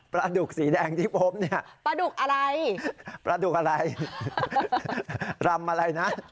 ประดุกสีแดงที่พบเนี่ยปลาดุกอะไรปลาดุกอะไรรำอะไรนะ